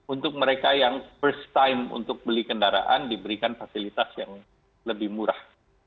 untuk mereka yang pertama kali beli kendaraan diberikan fasilitas yang lebih murah